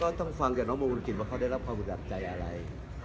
ก็ต้องฟังจากน้องมงกุลกิจว่าเขาได้รับความสำคัญใจอะไร